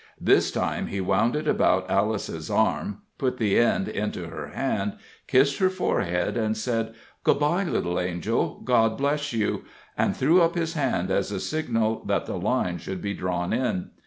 This time he wound it about Alice's arm, put the end into her hand, kissed her forehead, said, "Good by, little angel, God bless you," and threw up his hand as a signal that the line should be drawn in.